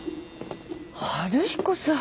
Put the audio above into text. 春彦さん。